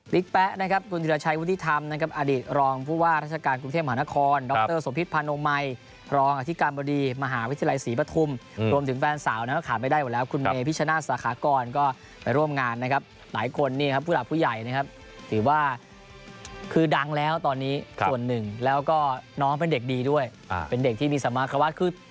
ลิกแป๊ะนะครับคุณธิรัชัยวุฒิธรรมนะครับอดิตรองภูวาทรัชกาลกรุงเที่ยมหานครดรสมภิษภานโมมัยรองอธิกรรมดีมหาวิทยาลัยศรีปฐุมรวมถึงแฟนสาวแล้วก็ขาดไม่ได้กว่าแล้วคุณเมพิชชนะสาขากรก็ไปร่วมงานนะครับหลายคนนี่ครับผู้หลักผู้ใหญ่นะครับถือว่าคือดังแล้วตอนนี้ส่ว